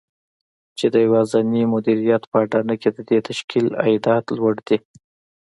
چې د يوازېني مديريت په اډانه کې د دې تشکيل عايدات لوړ دي.